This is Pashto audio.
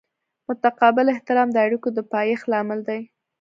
متقابل احترام د اړیکو د پایښت لامل دی.